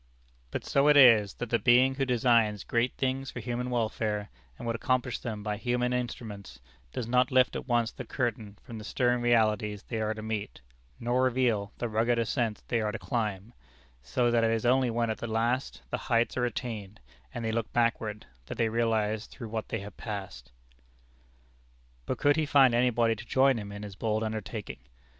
But so it is, that the Being who designs great things for human welfare, and would accomplish them by human instruments, does not lift at once the curtain from the stern realities they are to meet, nor reveal the rugged ascents they are to climb; so that it is only when at last the heights are attained, and they look backward, that they realize through what they have passed. But could he find anybody to join him in his bold undertaking?